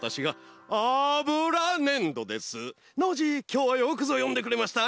きょうはよくぞよんでくれました。